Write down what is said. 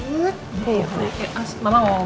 mas mama mau bantu